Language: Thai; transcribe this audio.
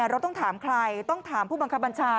เราต้องถามใครต้องถามผู้บังคับบัญชา